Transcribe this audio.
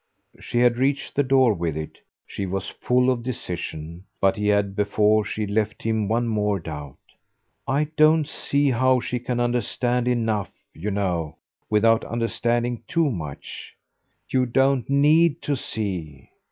She had reached the door with it she was full of decision; but he had before she left him one more doubt. "I don't see how she can understand enough, you know, without understanding too much." "You don't need to see."